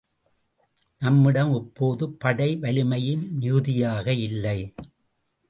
நம்மிடம் இப்போது படை வலிமையும் மிகுதியாக இல்லை.